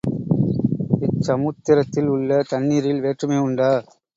இச்சமுத்திரத்தில் உள்ள தண்ணீரில் வேற்றுமை உண்டா?